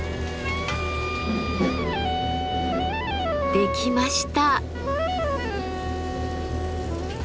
できました。